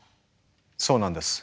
そうなんです。